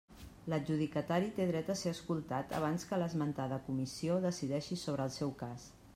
L'adjudicatari té dret a ser escoltat abans que l'esmentada Comissió decideixi sobre el seu cas.